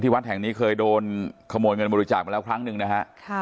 ทางนี้เคยโดนขโมยเงินบริจาคมาครั้งนึงค่ะ